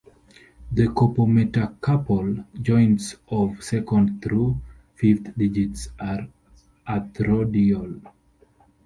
The carpometacarpal joints of second through fifth digits are arthrodial.